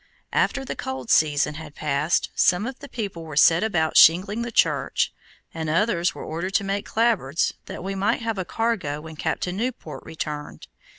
After the cold season had passed, some of the people were set about shingling the church, and others were ordered to make clapboards that we might have a cargo when Captain Newport returned.